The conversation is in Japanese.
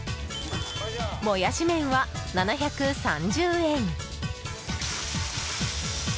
もやしメンは、７３０円。